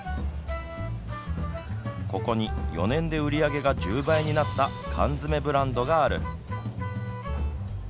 ここに４年で売り上げが１０倍になった缶詰ブランドがある。